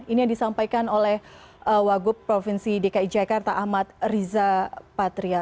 ini yang disampaikan oleh wagub provinsi dki jakarta ahmad riza patria